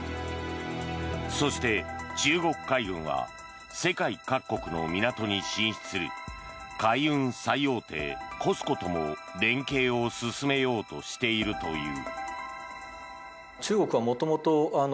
そして、中国海軍が世界各国の港に進出する海運最大手ＣＯＳＣＯとも連携を進めようとしているという。